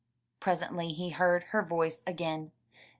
Presently he heard her voice again.